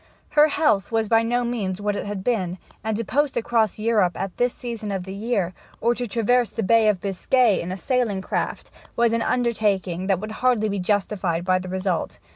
Her health was by no means what it had been, and to post across Europe at that season of the year, or to traverse the Bay of Biscay in a sailing craft, was an undertaking that would hardly be justified by the result.